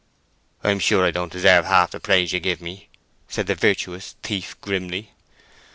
"I'm sure I don't deserve half the praise you give me," said the virtuous thief, grimly.